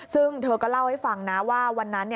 ซึ่งเธอก็เล่าให้ฟังนะว่าวันนั้น